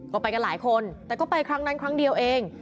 ก็ไปกันหลายคนแต่ก็ไปครั้งนั้นครั้งเดียวเอง